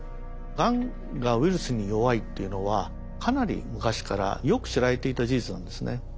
がんがウイルスに弱いっていうのはかなり昔からよく知られていた事実なんですね。